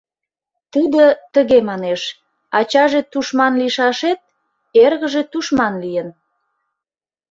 Тудо тыге манеш: «Ачаже тушман лийшашет — эргыже тушман лийын».